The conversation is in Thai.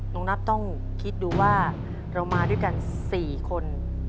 นับต้องคิดดูว่าเรามาด้วยกัน๔คน